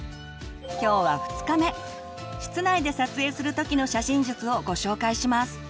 今日は２日目室内で撮影する時の写真術をご紹介します。